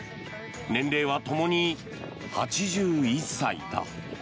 年齢はともに８１歳だ。